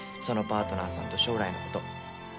そのパートナーさんと将来のこと。